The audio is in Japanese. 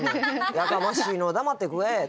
やかましいのう黙って食え」とか。